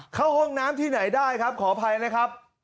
เข้าห้องน้ำที่ไหนได้ครับขออภัยนะครับ